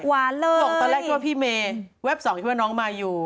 หวานเลยส่งตอนแรกว่าพี่เมย์แว็บสองช่วยว่าน้องมายู